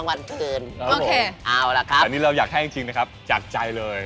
อันนี้เราอยากให้จริงนะครับจากใจเลย